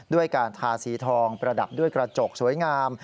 ด้วยการทาสีทองประดับด้วยกระจกสวยงาม